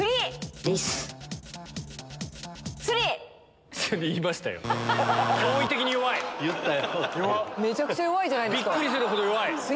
びっくりするほど弱い！